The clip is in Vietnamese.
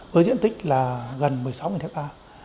với diện tích là gần một mươi sáu hectare